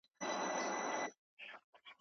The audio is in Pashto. چي لا ولي لیري پروت یې ما ته نه یې لا راغلی